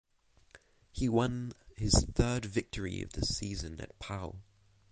He won his third victory of the season at Pau.